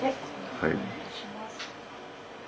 はい。